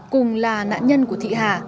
cùng là nạn nhân của thị hà